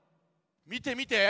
みてみて！